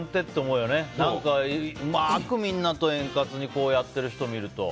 うまくみんなと円滑にやってる人を見ると。